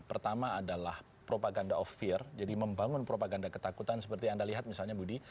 pertama adalah propaganda of fear jadi membangun propaganda ketakutan seperti anda lihat misalnya budi